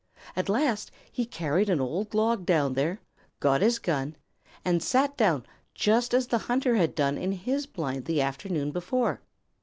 At last he carried an old log down there, got his gun, and sat down just as the hunter had done in his blind the afternoon before.